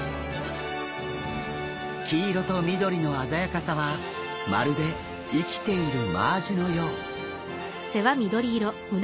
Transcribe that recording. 黄色と緑の鮮やかさはまるで生きているマアジのよう。